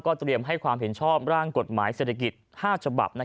เตรียมให้ความเห็นชอบร่างกฎหมายเศรษฐกิจ๕ฉบับ